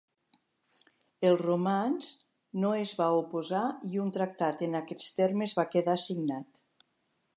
Els romans no es va oposar i un tractat en aquests termes va quedar signat.